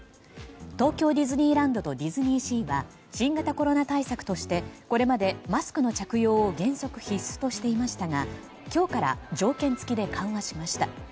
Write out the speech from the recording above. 東京ディズニーランドとディズニーシーは新型コロナ対策としてこれまでマスクの着用を原則必須としていましたが今日から条件付きで緩和しました。